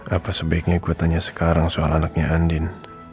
apa sebaiknya gua tanya sekarang soal anaknya andin